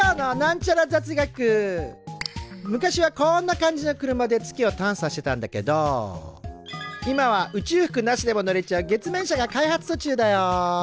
昔はこんな感じの車で月を探査してたんだけど今は宇宙服なしでも乗れちゃう月面車が開発とちゅうだよ。